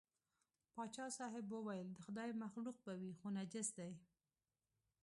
پاچا صاحب وویل د خدای مخلوق به وي خو نجس دی.